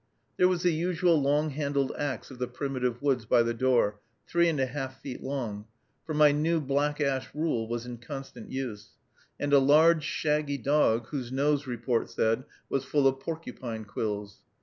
There was the usual long handled axe of the primitive woods by the door, three and a half feet long, for my new black ash rule was in constant use, and a large, shaggy dog, whose nose, report said, was full of porcupine quills.